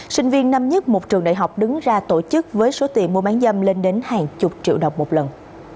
sinh viên năm nhất một trường đại học đứng ra tổ chức với số tiền mua bán dâm lên đến hàng chục triệu đồng một lần